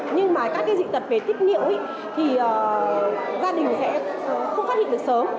nhưng mà các dị tật về tiết niệu thì gia đình sẽ không phát hiện được sớm